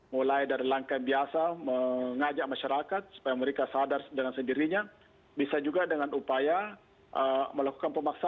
mulai dari langkah biasa mengajak masyarakat supaya mereka sadar dengan sendirinya bisa juga dengan upaya melakukan pemaksaan